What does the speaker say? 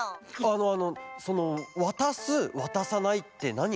あのそのわたすわたさないってなにを？